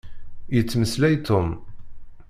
Yettmeslay Tom.